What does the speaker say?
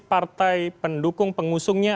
partai pendukung pengusungnya